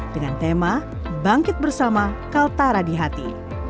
dengan tema bangkit bersama kaltara di hati